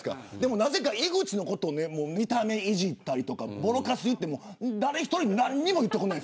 なぜか井口のこと見た目をいじったり、ぼろかす言っても誰１人何も言ってこない。